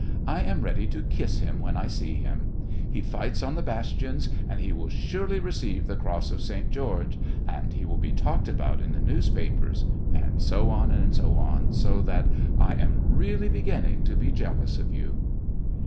I am ready to kiss him when I see him. He fights on the bastions, and he will surely receive the Cross of St. George, and he will be talked about in the newspapers ...' and so on, and so on ... so that I am really beginning to be jealous of you."